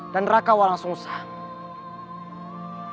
dan rakawal yang sengsara